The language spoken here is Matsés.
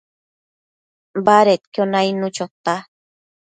badedquio nainnu chota